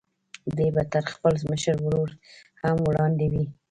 دی به تر خپل مشر ورور هم وړاندې وي.